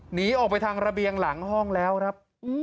หนีออกไปทางระเบียงหลังห้องแล้วครับ